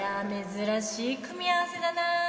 珍しい組み合わせだな。